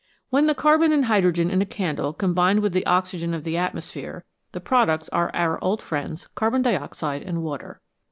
When the carbon and hydrogen in a candle combine with the oxygen of the atmosphere, the products are our old friends carbon dioxide and water.